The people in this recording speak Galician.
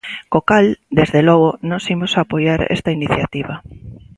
Co cal, desde logo, nós imos apoiar esta iniciativa.